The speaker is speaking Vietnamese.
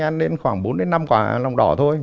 ăn đến khoảng bốn năm quả lòng đỏ thôi